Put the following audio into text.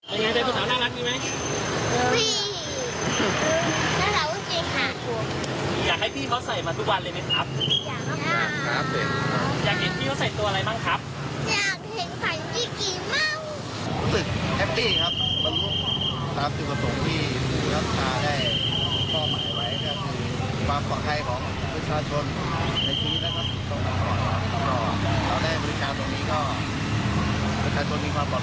ประชาชนในชีวิตนะครับตรงนี้ก็มีความปลอดภัยมากขึ้น